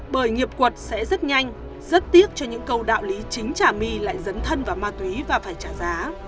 bởi nghiệp quật sẽ rất nhanh rất tiếc cho những câu đạo lý chính trả my lại dấn thân vào ma túy và phải trả giá